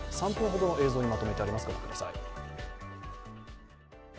３分ほどの映像にまとめてあります